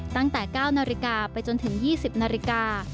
ตั้งแต่๙นาฬิกาไปจนถึง๒๐นาฬิกา